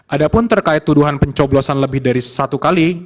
ada pun terkait tuduhan pencoblosan lebih dari satu kali